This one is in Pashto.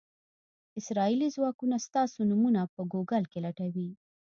اسرائیلي ځواکونه ستاسو نومونه په ګوګل کې لټوي.